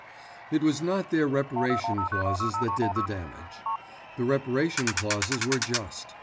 It was not their reparation clauses that did the damage. The reparation clauses were just.